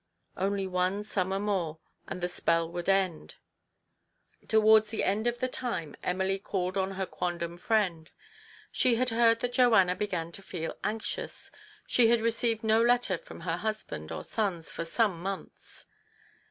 Only one summer more, and the spell would end. Towards the end of the time Emily called on TO PLEASE HIS WIFE. 135 her quondam friend. She had heard that Joanna began to feel anxious ; she had received no letter from husband or sons for some months.